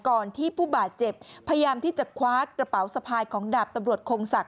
ที่ผู้บาดเจ็บพยายามที่จะคว้ากระเป๋าสะพายของดาบตำรวจคงศักดิ